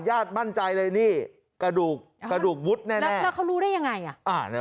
ยาดมั่นใจเลยนี่กระดูกวุฒิแน่แล้วเขารู้ได้ยังไง